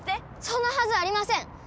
そんなはずありません！